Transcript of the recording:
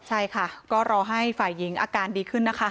ใช่ค่ะก็รอให้ฝ่ายหญิงอาการดีขึ้นนะคะ